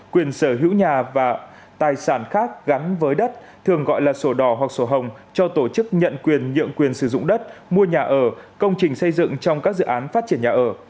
quyền sở hữu nhà và tài sản khác gắn với đất cho tổ chức nhận quyền nhượng quyền sử dụng đất mua nhà ở công trình xây dựng trong các dự án phát triển nhà ở